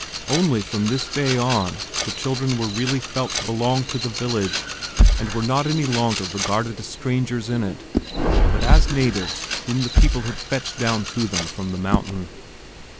Only from this day on the children were really felt to belong to the village and were not any longer regarded as strangers in it but as natives whom the people had fetched down to them from the mountain.